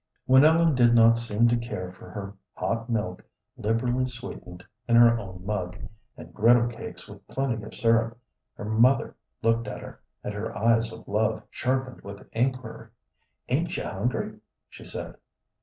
When Ellen did not seem to care for her hot milk liberally sweetened in her own mug, and griddle cakes with plenty of syrup, her mother looked at her, and her eyes of love sharpened with inquiry. "Ain't you hungry?" she said.